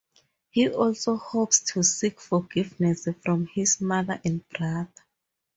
He also hopes to seek forgiveness from his mother and brother.